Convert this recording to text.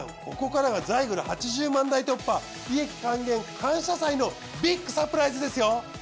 ここからがザイグル８０万台突破利益還元感謝祭のビッグサプライズですよ。